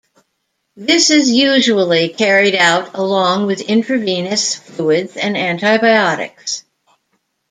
This is usually carried out along with intravenous fluids and antibiotics.